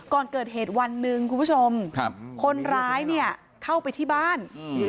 ก่อนเกิดเหตุวันหนึ่งคุณผู้ชมครับคนร้ายเนี่ยเข้าไปที่บ้าน